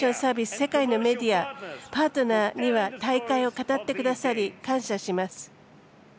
世界のメディア、パートナーには大会を語ってくださり感謝いたします。